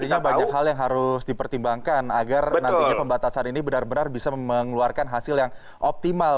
artinya banyak hal yang harus dipertimbangkan agar nantinya pembatasan ini benar benar bisa mengeluarkan hasil yang optimal